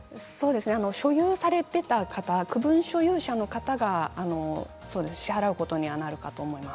所有されていた方区分所有者の方が支払うことになると思います。